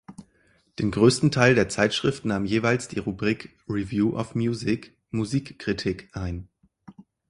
Den größten Teil der Zeitschrift nahm jeweils die Rubrik „Review of Music“ (Musikkritik) ein.